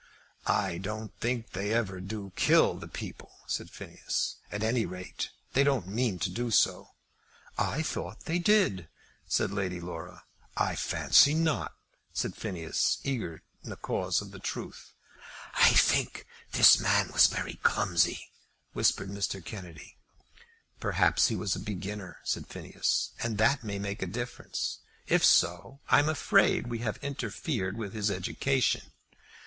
"I don't think they ever do kill the people," said Phineas. "At any rate they don't mean to do so." "I thought they did," said Lady Laura. "I fancy not," said Phineas, eager in the cause of truth. "I think this man was very clumsy," whispered Mr. Kennedy. "Perhaps he was a beginner," said Phineas, "and that may make a difference. If so, I'm afraid we have interfered with his education."